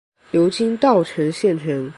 流经稻城县城。